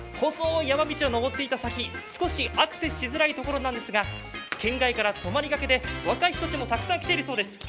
細い山道を登っていった先、少しアクセスしづらい所なんですが県外から泊りがけで若い人たちもたくさん来ているそうです。